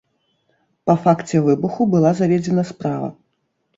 Па факце выбуху была заведзена справа.